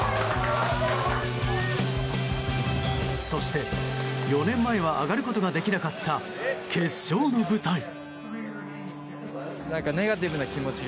そして、４年前は上がることができなかった決勝の舞台。